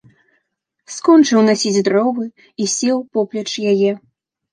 Скончыў насіць дровы і сеў поплеч яе.